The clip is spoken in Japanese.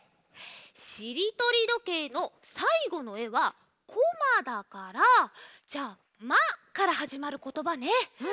しりとりどけいのさいごのえは「こま」だからじゃあ「ま」からはじまることばね！